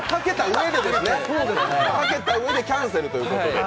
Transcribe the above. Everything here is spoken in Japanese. かけた上でキャンセルということで。